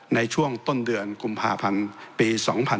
ในช่วงต้นเดือนกุมภาพันธ์ปี๒๕๖๒